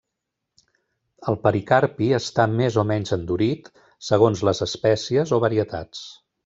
El pericarpi està més o menys endurit segons les espècies o varietats.